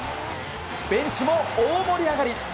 ベンチも大盛り上がり！